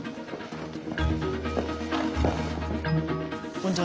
こんにちは。